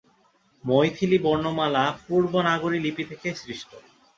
মৈথিলী বর্ণমালা পূর্ব নাগরী লিপি থেকে সৃষ্ট।